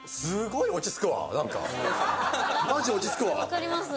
分かります。